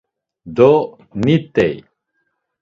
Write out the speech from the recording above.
Do nit̆ey.